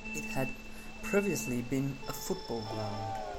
It had previously been a football ground.